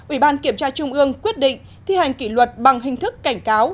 ủy ban kiểm tra trung ương quyết định thi hành kỷ luật bằng hình thức cảnh cáo